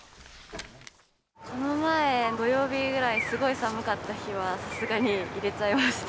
この前の土曜日ぐらい、すごい寒かった日は、さすがに入れちゃいました。